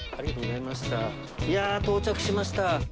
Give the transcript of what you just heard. いや到着しました。